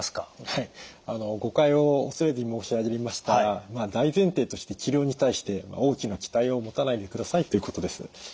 はい誤解を恐れずに申し上げましたら大前提として治療に対して大きな期待を持たないでくださいということです。